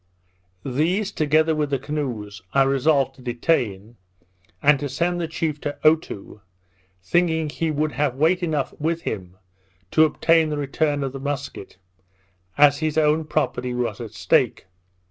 These, together with the canoes, I resolved to detain, and to send the chief to Otoo, thinking he would have weight enough with him to obtain the return of the musket, as his own property was at stake.